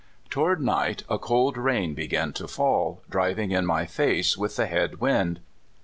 Toward night a cold rain began to fall, driving in my face with the head wind.